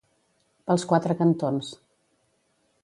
Pels quatre cantons.